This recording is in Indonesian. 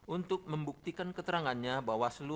untuk membuktikan keterangannya bahwa selu